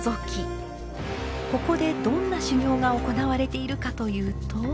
ここでどんな修行が行われているかというと。